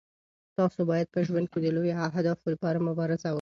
تاسو باید په ژوند کې د لویو اهدافو لپاره مبارزه وکړئ.